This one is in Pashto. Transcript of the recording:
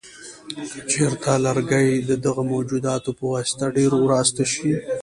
که چېرته لرګي د دغه موجوداتو په واسطه ډېر وراسته شي.